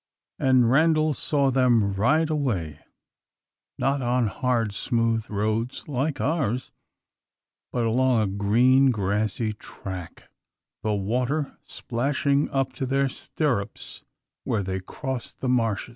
And Randal saw them ride away, not on hard, smooth roads like ours, but along a green grassy track, the water splashing up to their stirrups where they crossed the marshes.